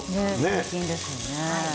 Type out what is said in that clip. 最近ですよね。